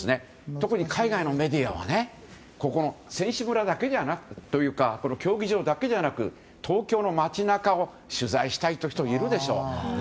特に海外のメディアは選手村とか競技場だけでなく東京の街中を取材したいという人もいるでしょう。